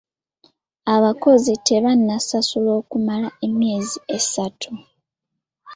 Abakozi tebannasasulwa okumala emyezi esatu.